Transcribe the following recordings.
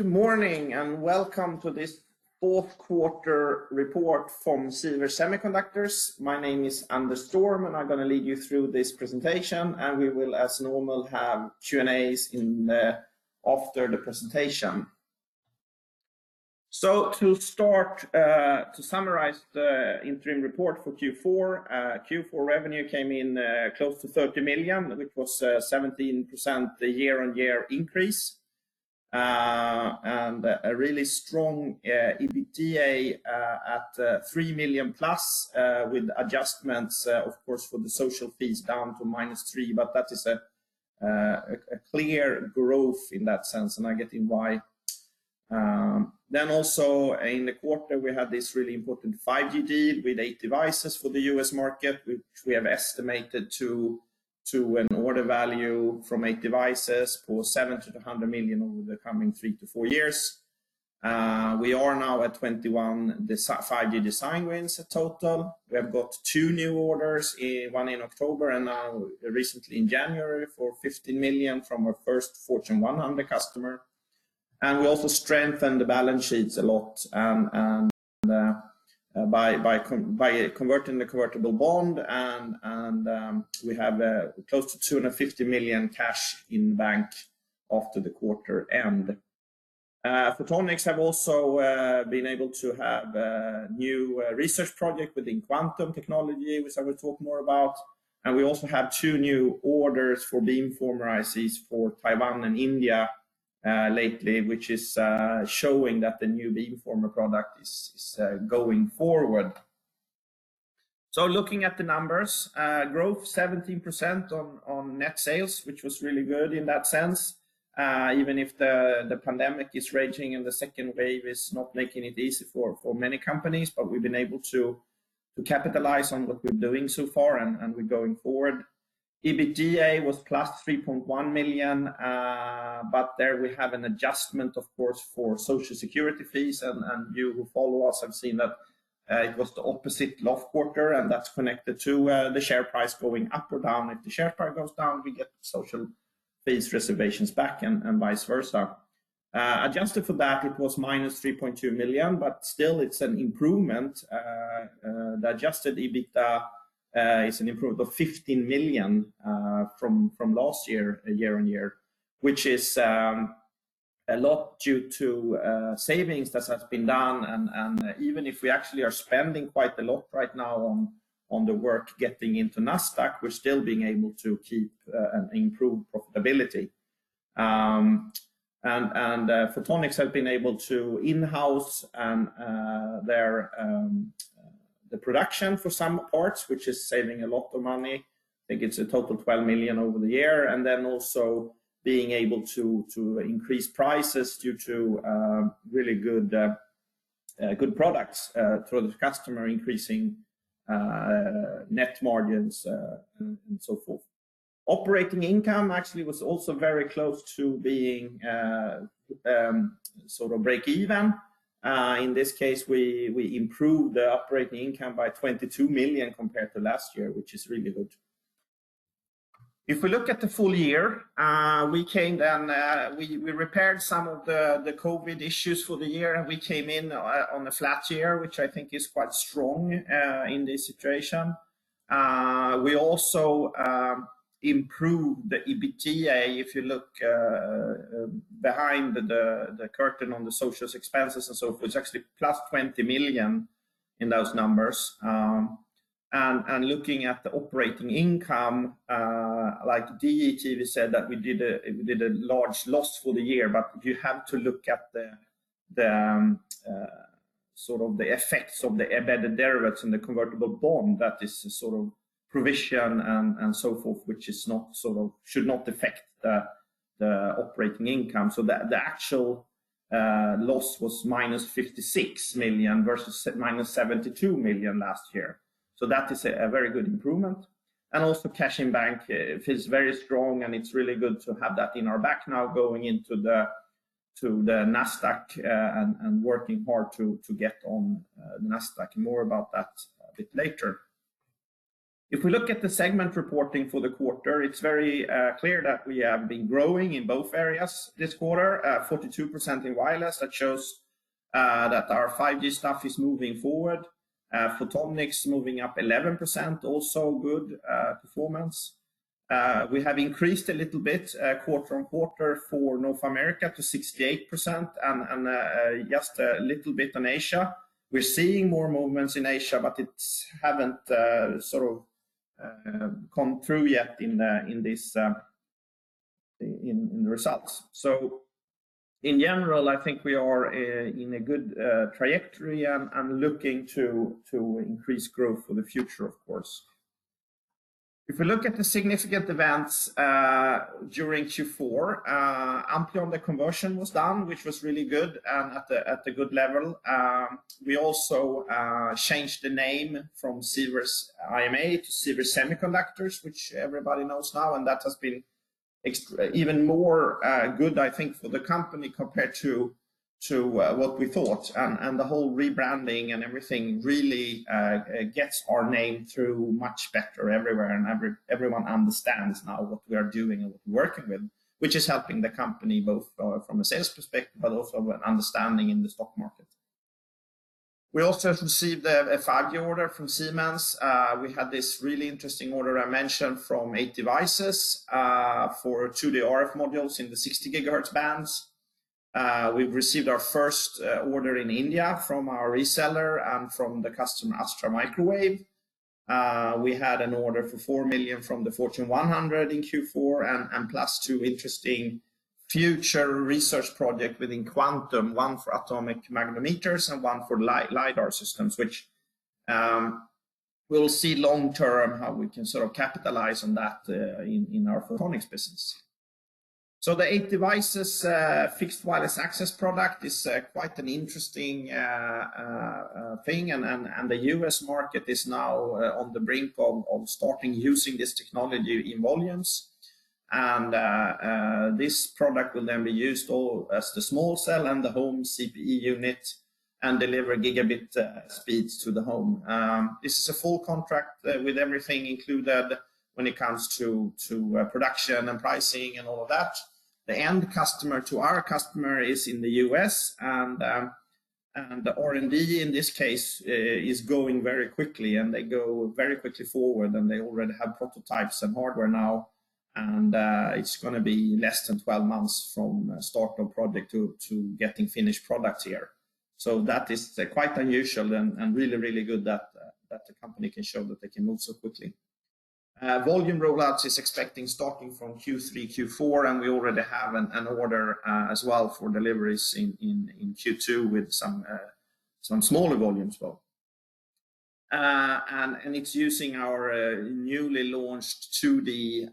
Good morning, and welcome to this fourth quarter report from Sivers Semiconductors. My name is Anders Storm, and I'm going to lead you through this presentation, and we will, as normal, have Q&As after the presentation. To start, to summarize the interim report for Q4 revenue came in close to 30 million, which was 17% year-on-year increase. A really strong EBITDA at 3 million plus with adjustments, of course, for the social fees down to -3 million, but that is a clear growth in that sense, and I get why. Also in the quarter, we had this really important 5G deal with 8devices for the U.S. market, which we have estimated to an order value from 8devices for 70 million-100 million over the coming three to four years. We are now at 21 5G design wins total. We have got two new orders, one in October and now recently in January for 15 million from our first Fortune 100 customer. We also strengthened the balance sheets a lot by converting the convertible bond, and we have close to 250 million cash in bank after the quarter end. Photonics have also been able to have a new research project within quantum technology, which I will talk more about. We also have two new orders for beamformer ICs for Taiwan and India lately, which is showing that the new beamformer product is going forward. Looking at the numbers, growth 17% on net sales, which was really good in that sense, even if the pandemic is raging and the second wave is not making it easy for many companies. We've been able to capitalize on what we're doing so far, and we're going forward. EBITDA was +3.1 million, but there we have an adjustment, of course, for social security fees. You who follow us have seen that it was the opposite last quarter, and that's connected to the share price going up or down. If the share price goes down, we get social fees reservations back and vice versa. Adjusted for that, it was -3.2 million, but still it's an improvement. The adjusted EBITDA is an improvement of 15 million from last year-on-year, which is a lot due to savings that has been done. Even if we actually are spending quite a lot right now on the work getting into Nasdaq, we're still being able to keep an improved profitability. Photonics have been able to in-house the production for some parts, which is saving a lot of money. I think it's a total of 12 million over the year. Then also being able to increase prices due to really good products through the customer increasing net margins, and so forth. Operating income actually was also very close to being sort of break even. In this case, we improved the operating income by 22 million compared to last year, which is really good. If we look at the full year, we repaired some of the COVID issues for the year, and we came in on a flat year, which I think is quite strong in this situation. We also improved the EBITDA. If you look behind the curtain on the socials expenses and so forth, it's actually +20 million in those numbers. Looking at the operating income, like [the deck said] said that we did a large loss for the year, but you have to look at the sort of the effects of the embedded derivatives and the convertible bond that is a sort of provision and so forth, which should not affect the operating income. The actual loss was -56 million versus -72 million last year. That is a very good improvement. Cash in bank is very strong, and it's really good to have that in our back now going into the Nasdaq, and working hard to get on Nasdaq. More about that a bit later. If we look at the segment reporting for the quarter, it's very clear that we have been growing in both areas this quarter, 42% in wireless. That shows that our 5G stuff is moving forward. Photonics moving up 11%, also good performance. We have increased a little bit quarter-on-quarter for North America to 68% and just a little bit on Asia. We're seeing more movements in Asia, but it's haven't sort of come through yet in the results. In general, I think we are in a good trajectory and looking to increase growth for the future, of course. If we look at the significant events during Q4, Ampleon, the conversion was done, which was really good and at a good level. We also changed the name from Sivers IMA to Sivers Semiconductors, which everybody knows now, and that has been even more good, I think, for the company compared to what we thought. The whole rebranding and everything really gets our name through much better everywhere, and everyone understands now what we are doing and what we're working with, which is helping the company both from a sales perspective, but also an understanding in the stock market. We also received a five-year order from Siemens. We had this really interesting order I mentioned from 8devices for 2D RF modules in the 60 GHz bands. We've received our first order in India from our reseller and from the customer, Astra Microwave. We had an order for 4 million from the Fortune 100 in Q4 and plus two interesting future research project within Quantum, one for atomic magnetometers and one for lidar systems, which we'll see long-term how we can capitalize on that in our Photonics business. The 8devices fixed wireless access product is quite an interesting thing. The U.S. market is now on the brink of starting using this technology in volumes. This product will then be used all as the small cell and the home CPE unit and deliver gigabit speeds to the home. This is a full contract with everything included when it comes to production and pricing and all of that. The end customer to our customer is in the U.S., and the R&D in this case is going very quickly, and they go very quickly forward, and they already have prototypes and hardware now. It's going to be less than 12 months from start of project to getting finished product here. That is quite unusual and really good that the company can show that they can move so quickly. Volume rollouts is expecting starting from Q3, Q4, we already have an order as well for deliveries in Q2 with some smaller volumes though. It's using our newly launched 2D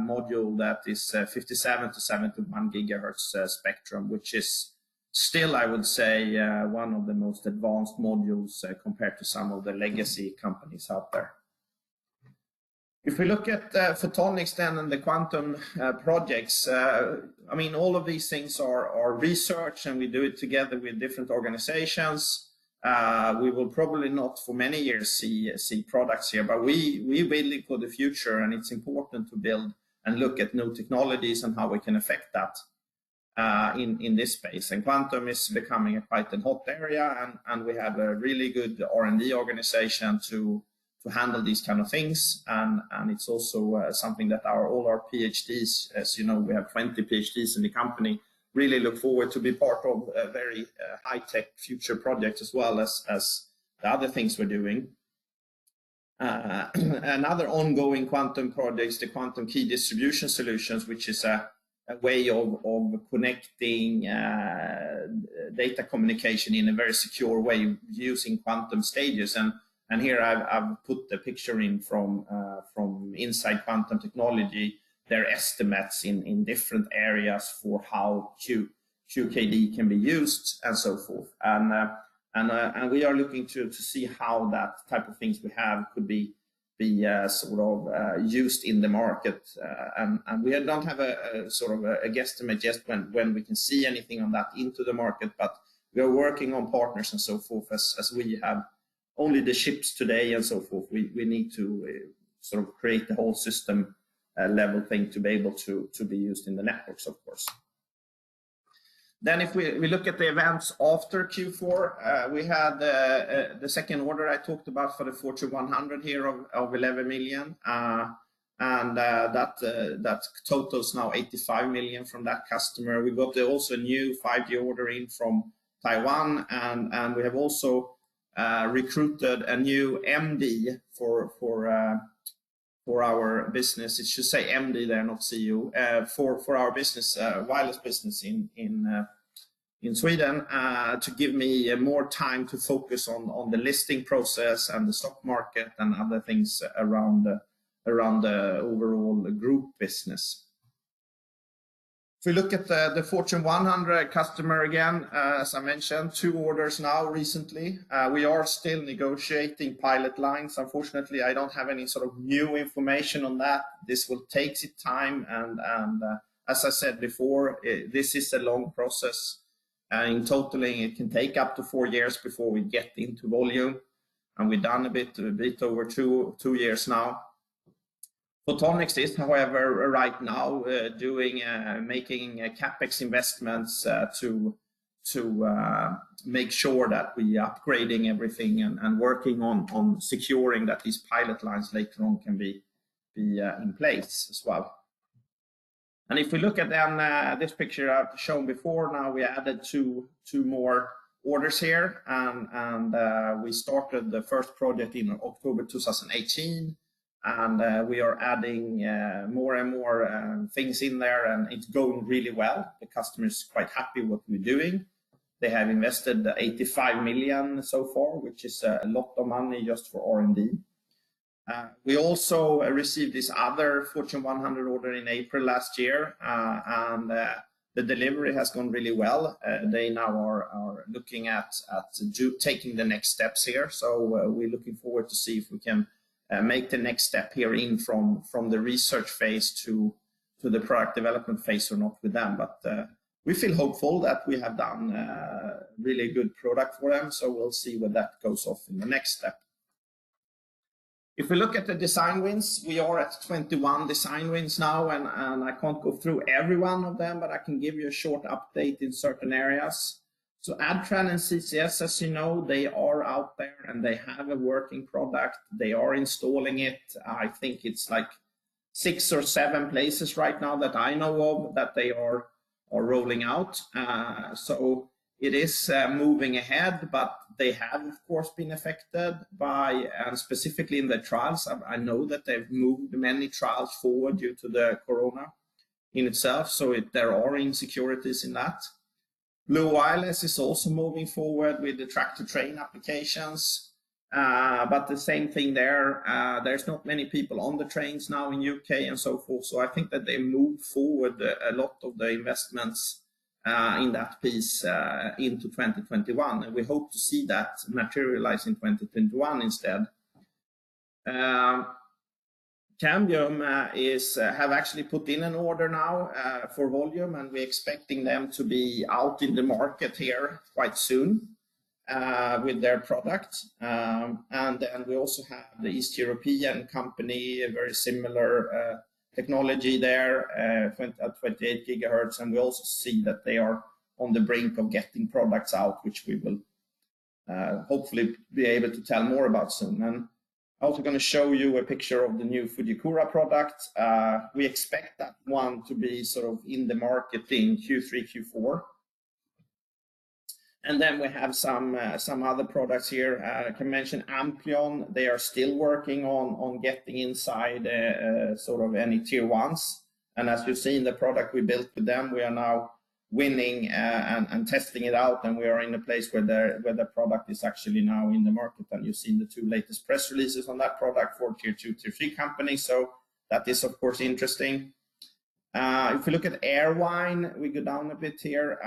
module that is 57 GHz-71 GHz spectrum, which is still, I would say, one of the most advanced modules compared to some of the legacy companies out there. If we look at Photonics then and the Quantum projects, all of these things are research, and we do it together with different organizations. We will probably not for many years see products here, but we're building for the future, and it's important to build and look at new technologies and how we can affect that in this space. Quantum is becoming quite a hot area, and we have a really good R&D organization to handle these kind of things. It's also something that all our PhDs, as you know, we have 20 PhDs in the company, really look forward to be part of a very high-tech future project, as well as the other things we're doing. Another ongoing Quantum project is the quantum key distribution solutions, which is a way of connecting data communication in a very secure way using quantum stages. Here I've put the picture in from Inside Quantum Technology, their estimates in different areas for how QKD can be used and so forth. We are looking to see how that type of things we have could be used in the market. We don't have a guesstimate just when we can see anything on that into the market, but we are working on partners and so forth as we have only the chips today and so forth. We need to create the whole system level thing to be able to be used in the networks, of course. If we look at the events after Q4, we had the second order I talked about for the Fortune 100 here of 11 million. That totals now 85 million from that customer. We got also a new five-year order in from Taiwan. We have also recruited a new MD for our business. It should say MD there, not CEO, for our wireless business in Sweden to give me more time to focus on the listing process and the stock market and other things around the overall group business. If we look at the Fortune 100 customer, again, as I mentioned, two orders now recently. We are still negotiating pilot lines. Unfortunately, I don't have any sort of new information on that. This will take time. As I said before, this is a long process. In total, it can take up to four years before we get into volume. We've done a bit over two years now. Photonics is, however, right now making CapEx investments to make sure that we are upgrading everything and working on securing that these pilot lines later on can be in place as well. If we look at this picture I've shown before, now we added two more orders here. We started the first project in October 2018. We are adding more and more things in there, and it's going really well. The customer is quite happy what we're doing. They have invested 85 million so far, which is a lot of money just for R&D. We also received this other Fortune 100 order in April last year. The delivery has gone really well. They now are looking at taking the next steps here. We're looking forward to see if we can make the next step here in from the research phase to the product development phase or not with them. We feel hopeful that we have done a really good product for them. We'll see where that goes off in the next step. If we look at the design wins, we are at 21 design wins now. I can't go through every one of them, I can give you a short update in certain areas. Adtran and CCS, as you know, they are out there and they have a working product. They are installing it. I think it's six or seven places right now that I know of that they are rolling out. It is moving ahead, but they have, of course, been affected by, and specifically in the trials, I know that they've moved many trials forward due to the corona in itself. There are insecurities in that. Blu Wireless is also moving forward with the track-to-train applications. The same thing there's not many people on the trains now in U.K. and so forth. I think that they moved forward a lot of the investments in that piece into 2021. We hope to see that materialize in 2021 instead. Cambium have actually put in an order now for volume, and we're expecting them to be out in the market here quite soon with their product. We also have the East European company, a very similar technology there at 28 GHz, and we also see that they are on the brink of getting products out, which we will hopefully be able to tell more about soon. I'm also going to show you a picture of the new Fujikura product. We expect that one to be in the market in Q3, Q4. We have some other products here. I can mention Ampleon. They are still working on getting inside any tier 1s. As you've seen, the product we built with them, we are now winning and testing it out, and we are in a place where the product is actually now in the market. You've seen the two latest press releases on that product for tier 2, tier 3 companies. That is, of course, interesting. If you look at Airvine, we go down a bit here.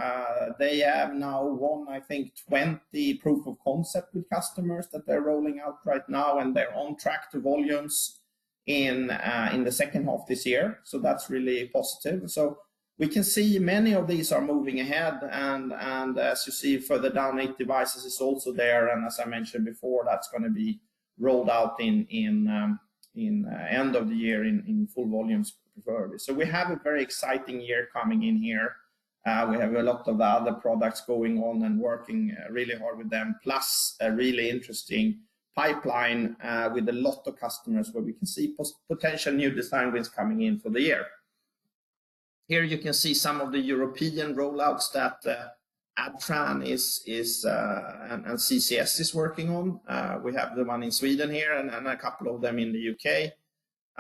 They have now won, I think, 20 proof of concept with customers that they're rolling out right now, and they're on track to volumes in the second half this year. That's really positive. We can see many of these are moving ahead, and as you see for the [Downlink] Devices is also there, and as I mentioned before, that's going to be rolled out in end of the year in full volumes preferably. We have a very exciting year coming in here. We have a lot of other products going on and working really hard with them. Plus, a really interesting pipeline with a lot of customers where we can see potential new design wins coming in for the year. Here you can see some of the European roll-outs that Adtran and CCS is working on. We have the one in Sweden here and a couple of them in the U.K.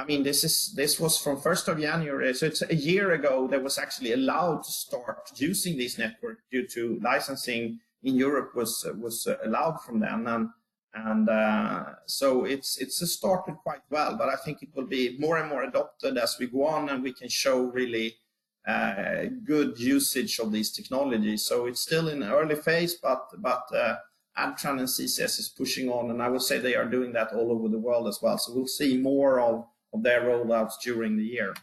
This was from 1st of January. It's a year ago that was actually allowed to start using this network due to licensing in Europe was allowed from them. It's started quite well, but I think it will be more and more adopted as we go on, and we can show really good usage of these technologies. It's still in early phase, but Adtran and CCS is pushing on, and I would say they are doing that all over the world as well. We'll see more of their roll-outs during the year.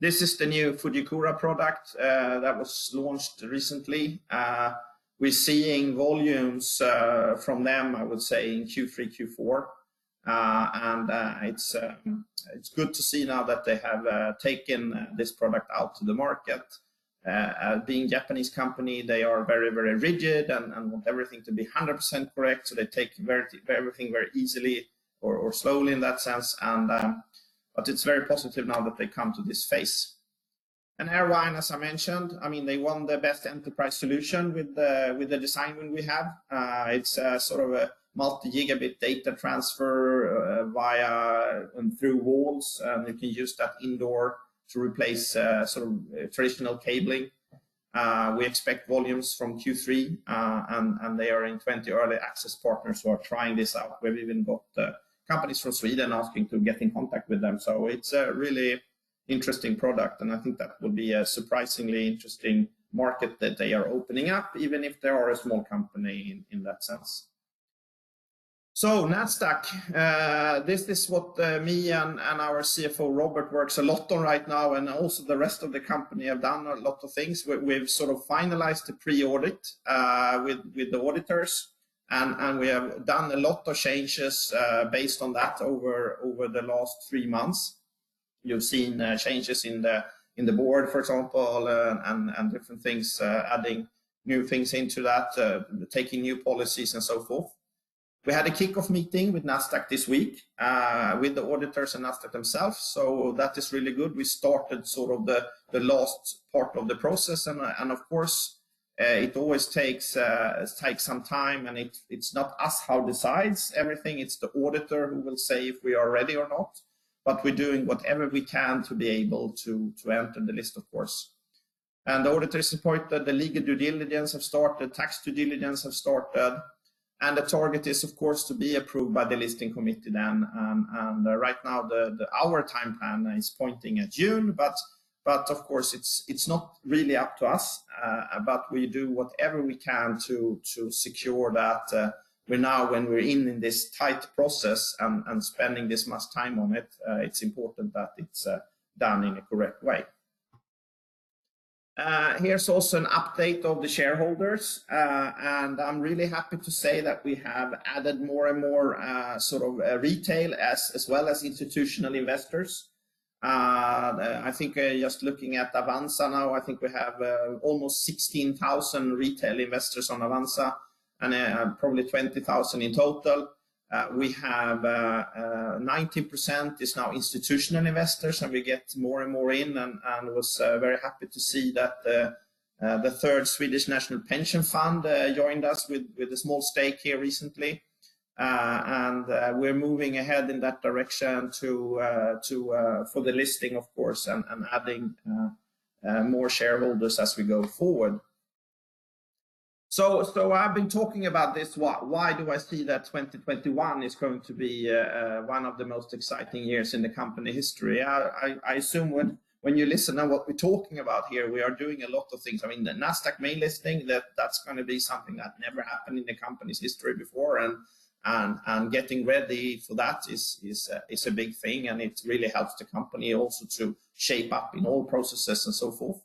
This is the new Fujikura product that was launched recently. We're seeing volumes from them, I would say, in Q3, Q4. It's good to see now that they have taken this product out to the market. Being Japanese company, they are very, very rigid and want everything to be 100% correct. They take everything very easily or slowly in that sense. It's very positive now that they come to this phase. Airvine, as I mentioned, they won the best enterprise solution with the design win we have. It's a multi-gigabit data transfer via and through walls. You can use that indoor to replace traditional cabling. We expect volumes from Q3, and they are in 20 early access partners who are trying this out. We've even got companies from Sweden asking to get in contact with them. It's a really interesting product, and I think that will be a surprisingly interesting market that they are opening up, even if they are a small company in that sense. Nasdaq, this is what me and our CFO, Robert, works a lot on right now, and also the rest of the company have done a lot of things. We've finalized the pre-audit with the auditors, and we have done a lot of changes based on that over the last three months. You've seen changes in the board, for example, and different things, adding new things into that, taking new policies and so forth. We had a kickoff meeting with Nasdaq this week, with the auditors and Nasdaq themselves, that is really good. We started the last part of the process. Of course, it always takes some time, and it's not us who decides everything. It's the auditor who will say if we are ready or not. We're doing whatever we can to be able to enter the list, of course. The auditors report that the legal due diligence have started, tax due diligence have started. The target is, of course, to be approved by the listing committee then. Right now our time plan is pointing at June, but of course, it's not really up to us. We do whatever we can to secure that. Now when we're in this tight process and spending this much time on it's important that it's done in a correct way. Here's also an update of the shareholders. I'm really happy to say that we have added more and more retail as well as institutional investors. I think just looking at Avanza now, I think we have almost 16,000 retail investors on Avanza and probably 20,000 in total. We have 90% is now institutional investors, and we get more and more in and was very happy to see that the Third Swedish National Pension Fund joined us with a small stake here recently. We're moving ahead in that direction for the listing, of course, and adding more shareholders as we go forward. I've been talking about this. Why do I see that 2021 is going to be one of the most exciting years in the company history? I assume when you listen on what we're talking about here, we are doing a lot of things. I mean, the Nasdaq main listing, that's going to be something that never happened in the company's history before. Getting ready for that is a big thing and it really helps the company also to shape up in all processes and so forth.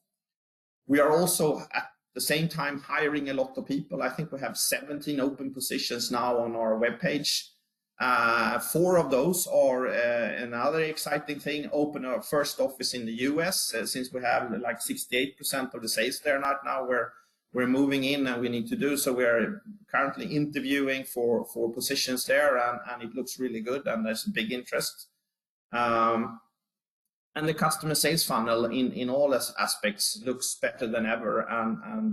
We are also, at the same time, hiring a lot of people. I think we have 17 open positions now on our webpage. Four of those are another exciting thing, open our first office in the U.S. since we have 68% of the sales there right now. We're moving in and we need to do so. We are currently interviewing for four positions there, and it looks really good, and there's a big interest. The customer sales funnel in all aspects looks better than ever.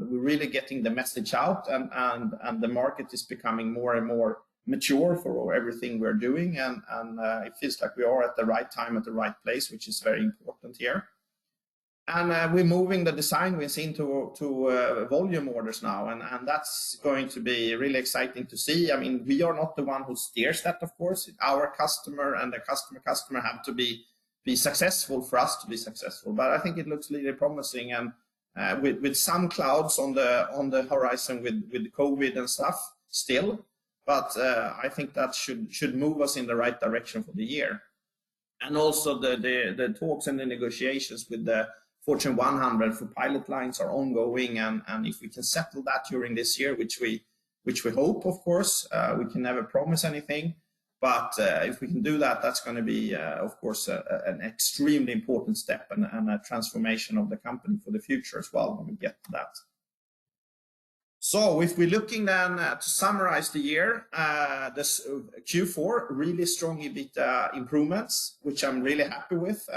We're really getting the message out, and the market is becoming more and more mature for everything we're doing. It feels like we are at the right time at the right place, which is very important here. We're moving the design wins into volume orders now. That's going to be really exciting to see. We are not the one who steers that, of course. Our customer and the customer have to be successful for us to be successful. I think it looks really promising and with some clouds on the horizon with COVID and stuff still. I think that should move us in the right direction for the year. Also the talks and the negotiations with the Fortune 100 for pilot lines are ongoing. If we can settle that during this year, which we hope, of course, we can never promise anything. If we can do that's going to be, of course, an extremely important step and a transformation of the company for the future as well when we get to that. If we're looking to summarize the year, this Q4 really strong EBITDA improvements, which I'm really happy with.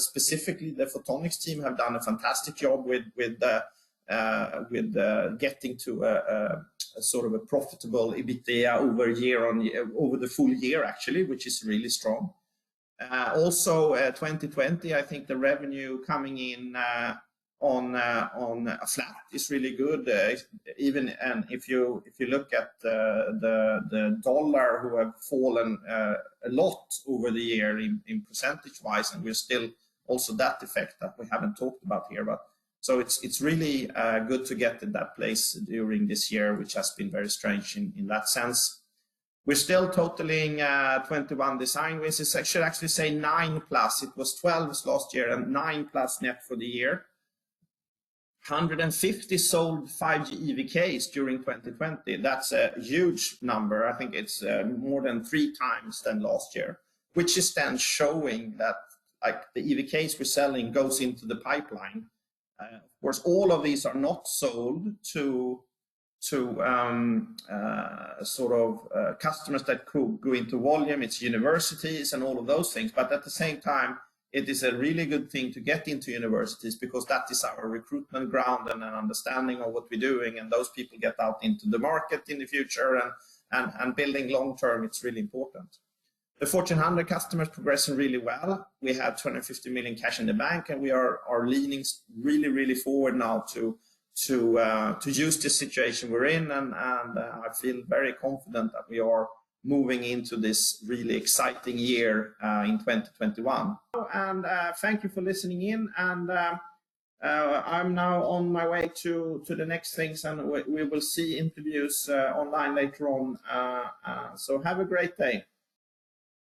Specifically, the Photonics team have done a fantastic job with getting to a profitable EBITDA over the full year actually, which is really strong. 2020, I think the revenue coming in on a flat is really good. Even if you look at the dollar who have fallen a lot over the year in percentage-wise, and we're still also that effect that we haven't talked about here. It's really good to get in that place during this year, which has been very strange in that sense. We're still totaling 21 design wins. I should actually say nine plus. It was 12 this last year and nine plus net for the year. 150 sold 5G EVKs during 2020. That's a huge number. I think it's more than three times than last year, which is then showing that the EVKs we're selling goes into the pipeline. Of course, all of these are not sold to customers that could go into volume. It's universities and all of those things. At the same time, it is a really good thing to get into universities because that is our recruitment ground and an understanding of what we're doing. Those people get out into the market in the future and building long term it's really important. The Fortune 100 customers progressing really well. We have 250 million cash in the bank, we are leaning really forward now to use this situation we're in. I feel very confident that we are moving into this really exciting year in 2021. Thank you for listening in. I'm now on my way to the next things, and we will see interviews online later on. Have a great day.